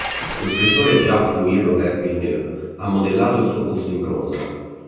Lo scultore Jacques Louis Robert Villeneuve ha modellato il suo busto in bronzo.